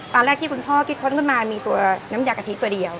ตอนแรกที่คุณพ่อคิดค้นขึ้นมามีตัวน้ำยากะทิตัวเดียว